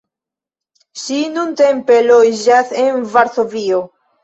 Ŝi nuntempe loĝas en Varsovio.